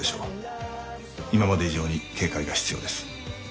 今まで以上に警戒が必要です。